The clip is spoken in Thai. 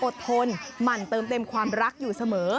ทนหมั่นเติมเต็มความรักอยู่เสมอ